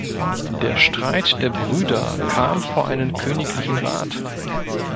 Der Streit der Brüder kam vor einen königlichen Rat.